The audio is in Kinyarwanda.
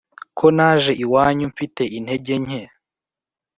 Kr naje iwanyu mfite intege nke